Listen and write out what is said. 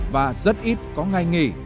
và rất ít có ngày nghỉ